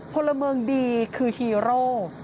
พลเมืองดีคือฮีโร่